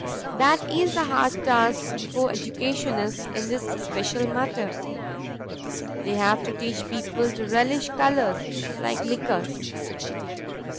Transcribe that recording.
That is the hard task before educationists in this special matter; they have to teach people to relish colors like liquors.